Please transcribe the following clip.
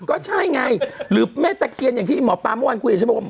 ก็ใช่ไงหรือแม่ตะเคียนอย่างที่หมอป๊าเมื่อวานกูเองใช่ปะ